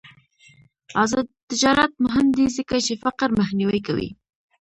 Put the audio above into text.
آزاد تجارت مهم دی ځکه چې فقر مخنیوی کوي.